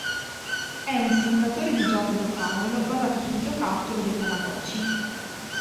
È un simulatore di gioco da tavolo basato sul giocattolo del Tamagotchi.